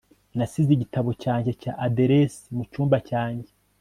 nasize igitabo cyanjye cya aderesi mucyumba cyanjye